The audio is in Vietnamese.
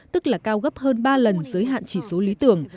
tức là cao gấp hơn ba lần giới hạn chỉ số lý tưởng